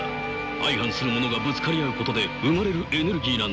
相反するものがぶつかり合うことで生まれるエネルギーなんだ。